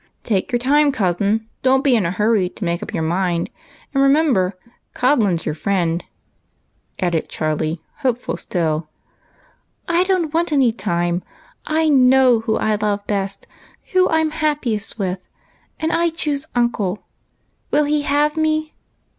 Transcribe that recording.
" Take time, cousin ; don't be in a hurry to make up your mind, and remember, 'Codlin's your friend,'" added Charlie, hopeful still. " I don't want any time ! I hiow who I love best, who I 'm happiest with, and I choose uncle. Will he have me